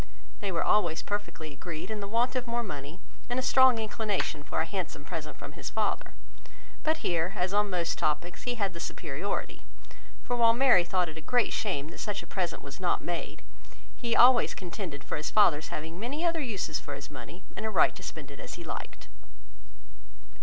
They were always perfectly agreed in the want of more money, and a strong inclination for a handsome present from his father; but here, as on most topics, he had the superiority, for while Mary thought it a great shame that such a present was not made, he always contended for his father's having many other uses for his money, and a right to spend it as he liked.